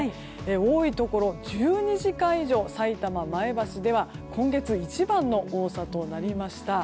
多いところは１２時間以上さいたま、前橋では今月一番の多さとなりました。